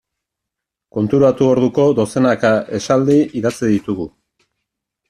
Konturatu orduko dozenaka esaldi idatzi ditugu.